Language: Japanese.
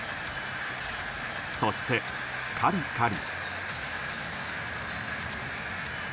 そしてカリカリ。